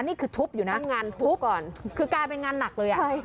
นี่คือทุบอยู่นะงานทุบก่อนคือกลายเป็นงานหนักเลยอ่ะใช่